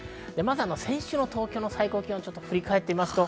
先週の東京の最高気温を振り返ってみます。